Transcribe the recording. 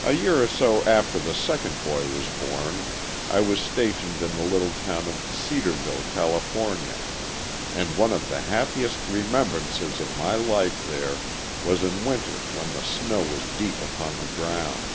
A year or so after the second boy was born I was stationed in the little town of Cedarville, Cal., and one of the happiest remembrances of my life there was in winter when the snow was deep upon the ground.